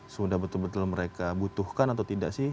sudah betul betul mereka butuhkan atau tidak sih